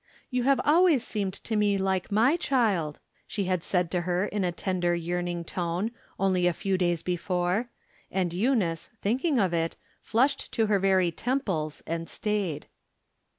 " You have always seemed to me like my child," she had said to her in a tender, yearning tone, only a few days be fore, and Eimice, thinking of it, flushed to her very temples, and staid.